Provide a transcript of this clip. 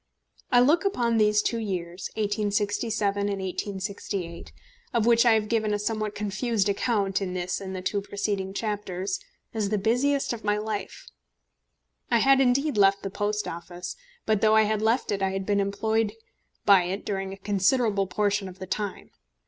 I look upon these two years, 1867 and 1868, of which I have given a somewhat confused account in this and the two preceding chapters, as the busiest in my life. I had indeed left the Post Office, but though I had left it I had been employed by it during a considerable portion of the time.